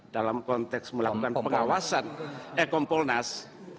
dalam konteks melakukan pengawasan eh kompolnas